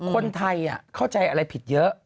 คนไทยเข้าใจอะไรผิดเยอะ